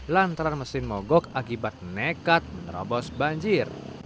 lantaran mesin mogok akibat nekat menerobos banjir